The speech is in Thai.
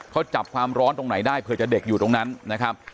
เขาจับความร้อนตรงไหนได้เผื่อจะเด็กอยู่ตรงนั้นนะครับ